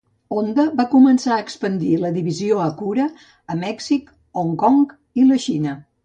Honda va començar a expandir la divisió Acura a Mèxic, Hong Kong i la Xina.